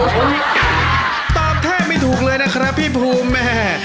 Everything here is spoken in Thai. ผมตอบแทบไม่ถูกเลยนะครับพี่ภูมิแม่